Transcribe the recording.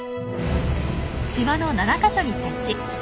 島の７か所に設置。